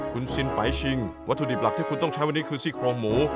คุณซินไปชิงวัตถุดิบหลักที่คุณต้องใช้วันนี้คือซี่โครงหมู